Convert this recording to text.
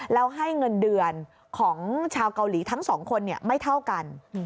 แล้วให้เงินเดือนของชาวเกาหลีทั้งสองคนไม่เท่ากัน